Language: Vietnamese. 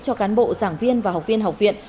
cho cán bộ giảng viên và học viên học viện